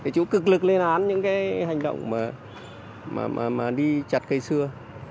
chú cực lực lên án những cái hành động mà đi chặt cây xưa